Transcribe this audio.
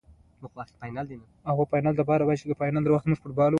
راځه ډوډۍ وخورو.